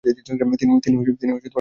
তিনি পছন্দ করেন না।